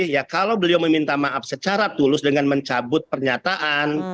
ya kalau beliau meminta maaf secara tulus dengan mencabut pernyataan